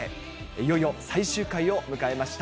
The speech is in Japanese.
いよいよ最終回を迎えました。